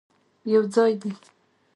یوځای دې،